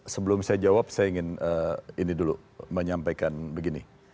sebelum saya jawab saya ingin ini dulu menyampaikan begini